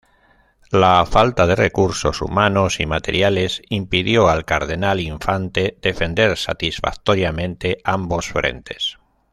La falta de recursos humanos y materiales impidió al Cardenal-Infante defender satisfactoriamente ambos frentes.